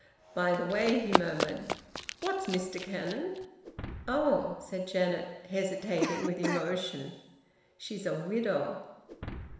"By the way," he murmured, "what's Mr Cannon?" "Oh!" said Janet, hesitating, with emotion, "she's a widow."